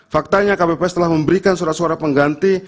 faktanya kpps telah memberikan surat suara pengganti